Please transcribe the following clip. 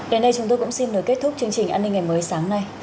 đến đây chúng tôi cũng xin được kết thúc chương trình an ninh ngày mới sáng nay